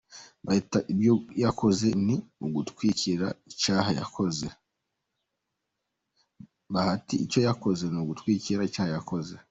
Bahati ibyo yakoze ni ugutwikira icyaha yakoze.